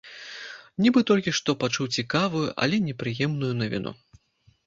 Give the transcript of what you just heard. Нібы толькі што пачуў цікавую, але непрыемную навіну.